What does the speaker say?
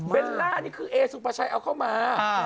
ล่านี่คือเอสุภาชัยเอาเข้ามา